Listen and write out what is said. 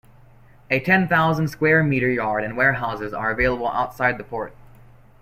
A ten thousand square metre yard and warehouses are available outside the port.